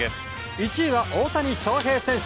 １位は大谷翔平選手。